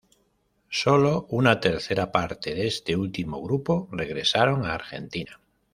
Sólo una tercera parte de este último grupo regresaron a Argentina.